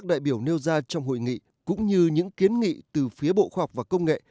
các đại biểu nêu ra trong hội nghị cũng như những kiến nghị từ phía bộ khoa học và công nghệ